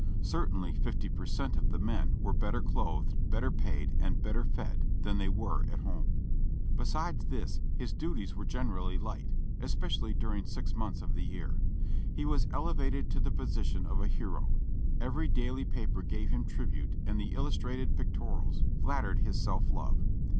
Certainly fifty per cent, of the men were better clothed, better paid and better fed than they were at home. Besides this, his duties were generally light, especially during six months of the year. He was elevated to the position of a hero : every daily paper gave him tribute and the illustrated pic torials flattered his self love.